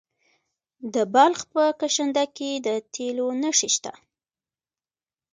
د بلخ په کشنده کې د تیلو نښې شته.